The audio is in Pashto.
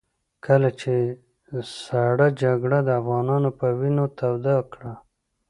کله چې سړه جګړه د افغانانو په وينو توده کړه.